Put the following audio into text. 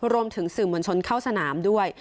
รวมถึงสื่อมวลชนเข้าสนามด้วย